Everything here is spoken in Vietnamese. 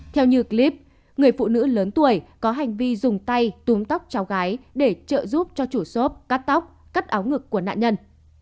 theo như clip người phụ nữ lớn tuổi có hành vi dùng tay túm tóc cháu gái để trợ giúp cho chủ xốp cắt tóc cắt áo ngực của nạn nhân